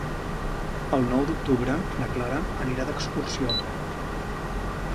El nou d'octubre na Clara anirà d'excursió.